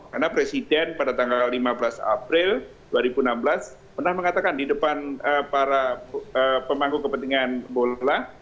karena presiden pada tanggal lima belas april dua ribu enam belas pernah mengatakan di depan para pemangku kepentingan bola